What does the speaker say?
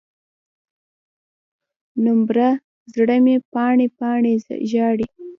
نومبره، زړه مې پاڼې، پاڼې ژاړي